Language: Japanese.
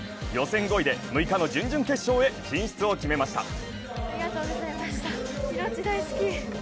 予選５位で、６日の準々決勝へ進出を決めました。